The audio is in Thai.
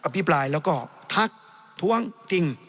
พิปรายแล้วก็ทักท้วงติง